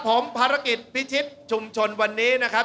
ผมภารกิจพิชิตชุมชนวันนี้นะครับ